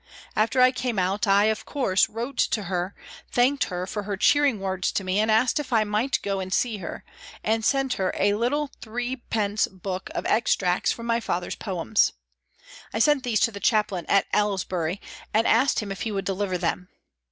After I came out I, of course, wrote to her, thanked her for her cheering words to me, asked if I might go and see her, and sent her a little 3d. book of extracts from my father's poems. I sent these to the chaplain at Aylesbury and asked him if he would deliver them.